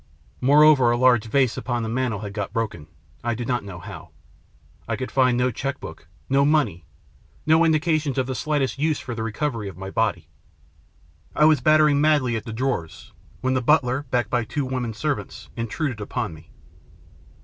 More over, a large vase upon the mantel had got broken I do not know how. I could find no cheque book, no money, no indications of the slightest use for the recovery of my body. I was battering madly at the drawers, when the butler, backed by two women servants, intruded upon me.